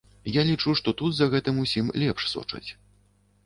Я лічу, што тут за гэтым усім лепш сочаць.